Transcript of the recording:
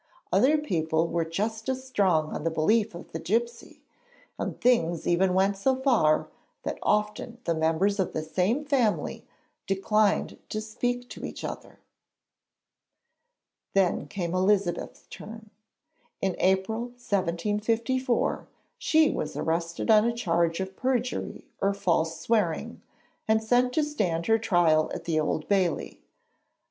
Other people were just as strong on behalf of the gipsy, and things even went so far that often the members of the same family declined to speak to each other. Then came Elizabeth's turn. In April 1754 she was arrested on a charge of perjury or false swearing, and sent to stand her trial at the Old Bailey.